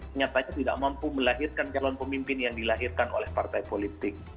nyatanya tidak mampu melahirkan calon pemimpin yang dilahirkan oleh partai politik